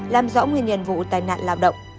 làm rõ nguyên nhân vụ tai nạn lao động